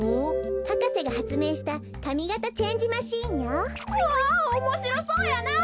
博士がはつめいしたかみがたチェンジマシンよ。わおもしろそうやな！